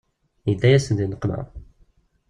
Yedda-yasen di nneqma.